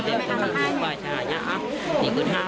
ตอนนี้ก็ไม่มีเวลาให้กลับมาเที่ยวกับเวลา